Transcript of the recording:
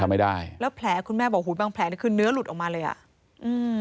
ไม่ได้แล้วแผลคุณแม่บอกหูบางแผลนี่คือเนื้อหลุดออกมาเลยอ่ะอืม